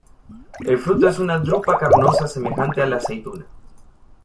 El fruto es una drupa carnosa semejante a la aceituna.